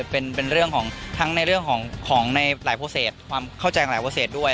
เป็นเรื่องของทั้งในเรื่องของในหลายโปรเศษความเข้าใจหลายโภเศษด้วย